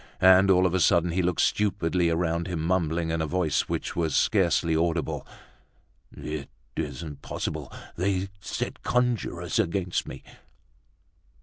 And all of a sudden, he looked stupidly around him, mumbling, in a voice which was scarcely audible: "It isn't possible, they set conjurers against me!"